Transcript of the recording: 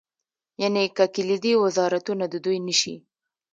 یعنې که کلیدي وزارتونه د دوی نه شي.